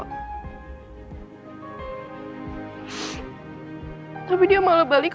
tapi dia malah balik